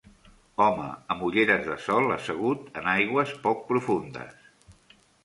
Home amb ulleres de sol assegut en aigües poc profundes